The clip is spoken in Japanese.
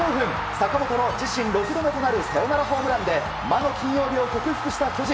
坂本の自身６度目となるサヨナラホームランで魔の金曜日を克服した巨人。